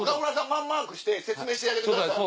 マンマークして説明してあげてください。